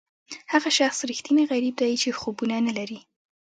هغه شخص ریښتینی غریب دی چې خوبونه نه لري.